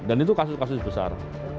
dan itu kasus kasus besar